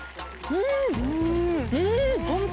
うん！